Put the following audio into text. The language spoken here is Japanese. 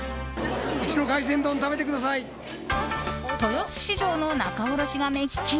豊洲市場の仲卸が目利き。